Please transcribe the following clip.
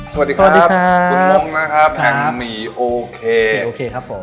สวัสดีครับสวัสดีครับคุณมงนะครับครับแผ่งหมี่โอเคแผ่งโอเคครับผม